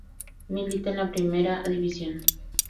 Milita en la Primera División.